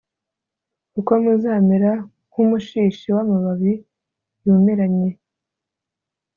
kuko muzamera nk’umushishi w’amababi yumiranye,